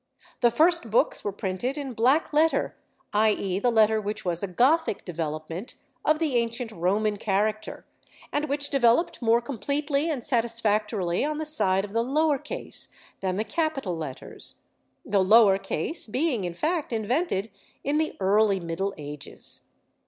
The first books were printed in black letter, i.e. the letter which was a Gothic development of the ancient Roman character, and which developed more completely and satisfactorily on the side of the "lower case" than the capital letters; the "lower case" being in fact invented in the early Middle Ages.